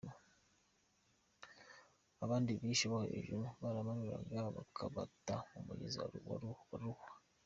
Abandi bishe bo hejuru barabamanuraga bakabata mu mugezi wa Ruhwa.